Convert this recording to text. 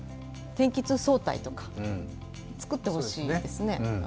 天気痛早退とか、作ってほしいですね。